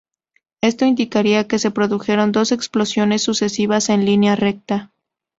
Esto indicaría que se produjeron dos explosiones sucesivas en línea recta.